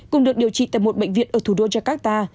cùng được điều trị tại một bệnh viện ở thủ đô jakarta